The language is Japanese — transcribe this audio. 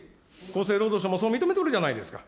厚生労働省もそう認めておるじゃないですか。